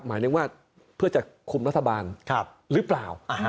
หมายถึงว่าเพื่อจะคุมรัฐบาลหรือเปล่า